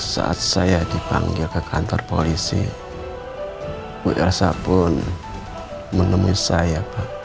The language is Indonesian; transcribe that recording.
saat saya dipanggil ke kantor polisi bu elsa pun menemui saya